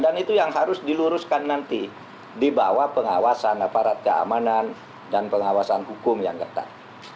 dan itu yang harus diluruskan nanti di bawah pengawasan aparat keamanan dan pengawasan hukum yang getar